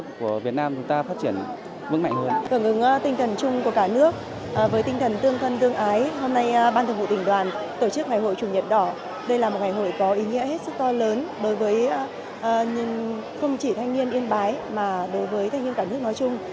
đây là một ngày hội có ý nghĩa hết sức to lớn đối với không chỉ thanh niên yên bái mà đối với thanh niên cả nước nói chung